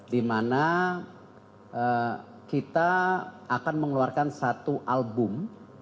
di mana kita akan mengeluarkan satu album